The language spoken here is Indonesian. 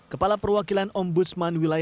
kepala perwakilan ombudsman wilayah jawa barat ini